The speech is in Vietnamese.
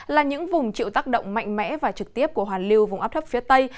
là những vùng chịu tác động mạnh mẽ và trực tiếp của hoàn lưu vùng áp thấp phía tây